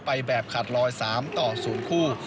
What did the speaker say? ไปแบบขาดลอย๓ต่อ๐คู่